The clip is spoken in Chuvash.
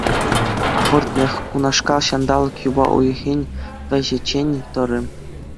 Ахӑртнех, кунашкал ҫанталӑк юпа уйӑхӗн вӗҫӗччен тӑрӗ.